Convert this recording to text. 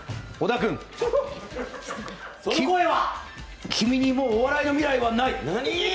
君にもうお笑いの未来はない。